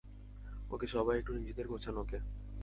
ওকে, সবাই একটু নিজেদের গোছান, ওকে?